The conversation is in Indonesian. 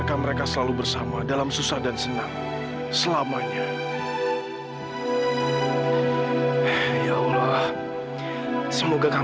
kamu pesan apa kamu pesan makan atau minum